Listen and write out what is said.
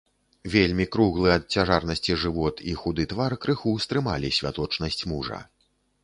Вельмі круглы ад цяжарнасці жывот і худы твар крыху стрымалі святочнасць мужа.